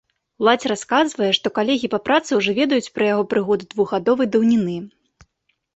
Уладзь расказвае, што калегі па працы ўжо ведаюць пра яго прыгоды двухгадовай даўніны.